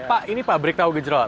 pak ini pabrik tahu gejrot